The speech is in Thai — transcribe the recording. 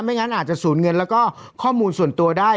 งั้นอาจจะสูญเงินแล้วก็ข้อมูลส่วนตัวได้